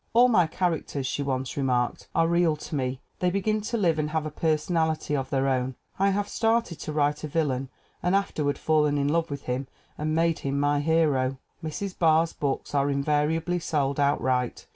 "All my characters," she once remarked, "are real to me. They begin to live and have a personality of their own. I have started to write a villain and after ward fallen in love with him and made him my hero." Mrs. Barr's books are invariably sold outright.